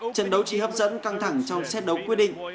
trận đấu chỉ hấp dẫn căng thẳng trong xét đấu quyết định